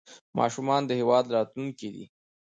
ماشومان د هېواد راتلونکی دی